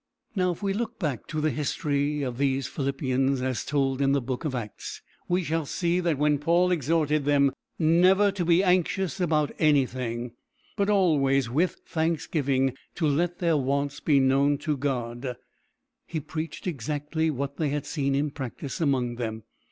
Now if we look back to the history of these Philippians, as told in the Book of Acts, we shall see that when Paul exhorted them never to be anxious about anything, but always with thanksgiving to let their wants be known to God, he preached exactly what they had seen him practice among them.